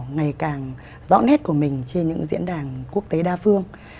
ngày càng rõ nét của mình trên những diễn đàn quốc tế đa phương